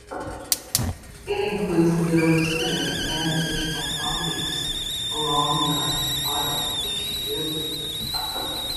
It includes the village center and additional properties along the Ottauquechee River.